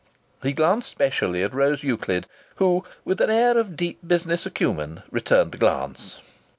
He glanced specially at Rose Euclid, who with an air of deep business acumen returned the glance.